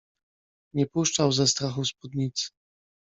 Nie puszczał ze strachu spódnicy.